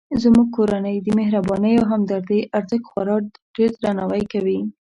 زموږ کورنۍ د مهربانۍ او همدردۍ ارزښت خورا ډیردرناوی کوي